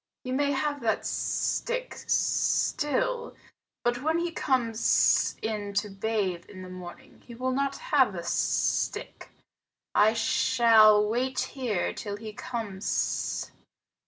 He may have that stick still, but when he comes in to bathe in the morning he will not have a stick. I shall wait here till he comes.